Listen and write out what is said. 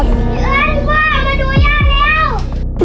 พี่เอิญมาดูย่าแล้ว